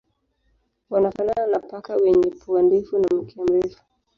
Wanafanana na paka wenye pua ndefu na mkia mrefu.